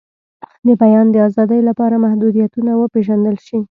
د بیان د آزادۍ لپاره محدودیتونه وپیژندل شي.